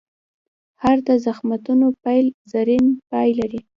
هر د زخمتونو پیل؛ زرین پای لري.